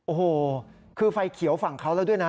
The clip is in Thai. โอ้โหคือไฟเขียวฝั่งเขาแล้วด้วยนะ